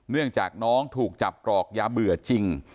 เนื่องจากน้องถูกจับกรอกยาเบื่อจริง